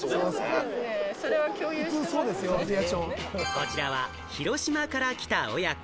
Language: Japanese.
こちらは広島から来た親子。